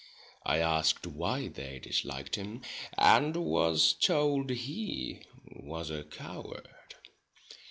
I asked why they disliked him, and was told he was a coward.